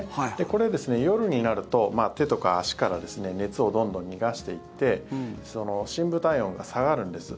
これ、夜になると手とか足から熱をどんどん逃がしていって深部体温が下がるんです。